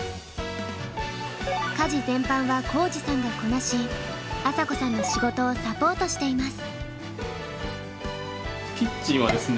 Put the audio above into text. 家事全般は皓史さんがこなし朝紗子さんの仕事をサポートしています。